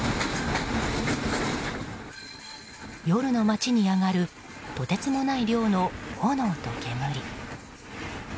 夜の街に上がるとてつもない量の炎と煙。